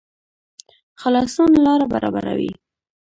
خلاصون لاره برابروي